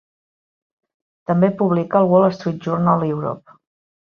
També publica al "Wall Street Journal Europe".